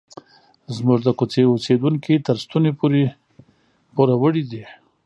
زموږ د کوڅې اوسیدونکي تر ستوني پورې پوروړي دي.